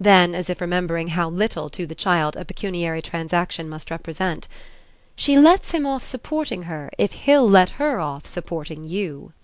Then as if remembering how little, to the child, a pecuniary transaction must represent: "She lets him off supporting her if he'll let her off supporting you."